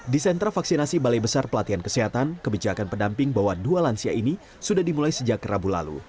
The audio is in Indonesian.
di sentra vaksinasi balai besar pelatihan kesehatan kebijakan pendamping bawaan dua lansia ini sudah dimulai sejak rabu lalu